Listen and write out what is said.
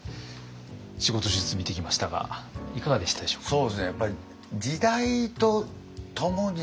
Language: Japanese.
仕事術見てきましたがいかがでしたでしょうか？